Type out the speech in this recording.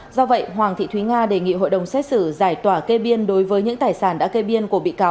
do vậy hoàng thị thúy nga đề nghị hội đồng xét xử giải tỏa kê biên đối với những tài sản đã kê biên